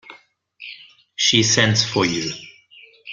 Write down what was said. She sends for you.